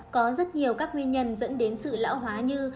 có rất nhiều các nguyên nhân dẫn đến sự lão hóa như